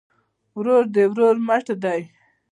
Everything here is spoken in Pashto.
ورور د ورور مټ دی